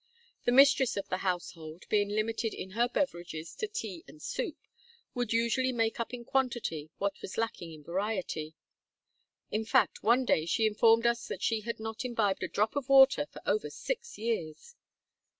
The mistress of the household, being limited in her beverages to tea and soup, would usually make up in quantity what was lacking in variety. In fact, one day she informed us that she had not imbibed a drop of water for over six years.